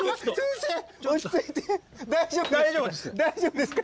大丈夫ですか？